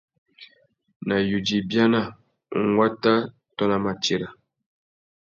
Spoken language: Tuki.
Nà yudza ibiana, unguata tô nà matira.